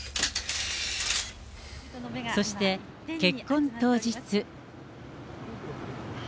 そして、結婚当日。